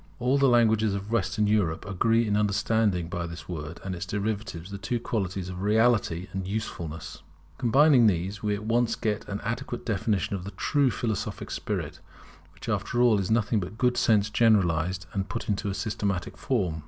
All the languages of Western Europe agree in understanding by this word and its derivatives the two qualities of reality and usefulness. Combining these, we get at once an adequate definition of the true philosophic spirit, which, after all, is nothing but good sense generalized and put into a systematic form.